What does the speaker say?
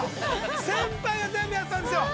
先輩が全部やってたんですよ。